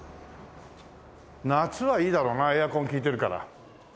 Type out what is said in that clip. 夏はいいだろうなエアコン効いてるから。